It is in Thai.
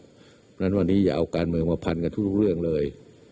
เพราะฉะนั้นวันนี้อย่าเอาการเมืองมาพันกับทุกเรื่องเลย